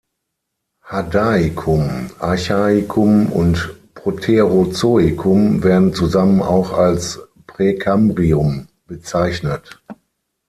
Hadaikum, Archaikum und Proterozoikum werden zusammen auch als Präkambrium bezeichnet.